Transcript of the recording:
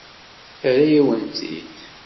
Terra-yawen-tt-id.